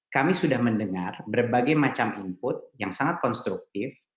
kami sudah mendengar berbagai macam input yang sangat konstruktif